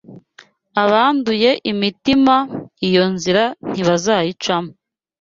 Abanduye imitima iyo nzira ntibazayicamo